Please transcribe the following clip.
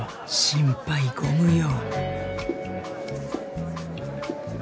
心配ご無用。